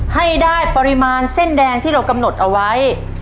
ให้ได้ปริมาณเส้นแดงที่เรากำหนดเอาไว้